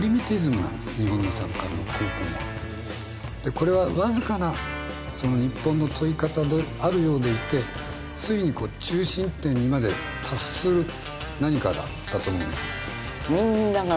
これは僅かなその日本の問い方であるようでいてついにこう中心点にまで達する何かだったと思うんですよ。